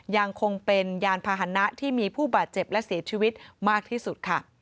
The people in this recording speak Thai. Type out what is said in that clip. ยังคงเป็นยานพาหนะที่มีผู้บาดเจ็บและเสียชีวิตมากที่สุดค่ะ